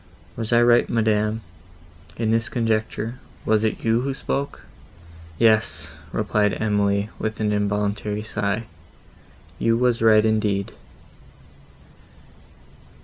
Was I right, madam, in this conjecture—was it you who spoke?" "Yes," said Emily, with an involuntary sigh, "you were right indeed."